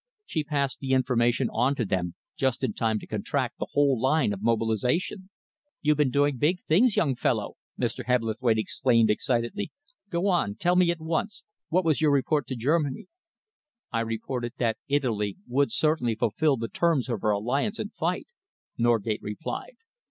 She passed the information on to them just in time to contract the whole line of mobilisation." "You've been doing big things, young fellow!" Mr. Hebblethwaite exclaimed excitedly. "Go on. Tell me at once, what was your report to Germany?" "I reported that Italy would certainly fulfil the terms of her alliance and fight," Norgate replied.